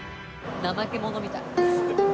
ナマケモノみたい。